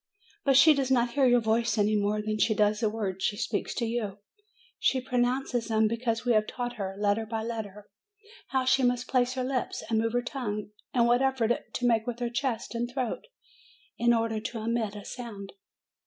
But she does not hear your voice any more than she does the words she speaks to you; she pronounces them, because we have taught her, letter by letter, how she must place her lips and move her tongue, and what effort to make with her chest and throat, in order to emit a sound."